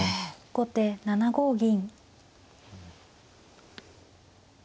後手７五銀。